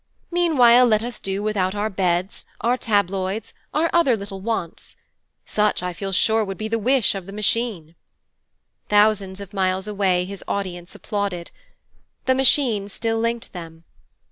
Meanwhile let us do without our beds, our tabloids, our other little wants. Such, I feel sure, would be the wish of the Machine.' Thousands of miles away his audience applauded. The Machine still linked them.